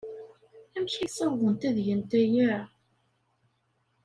Amek ay ssawḍent ad gent aya?